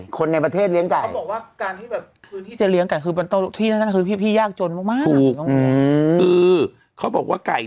คนในประเทศเขาเลี้ยงไก่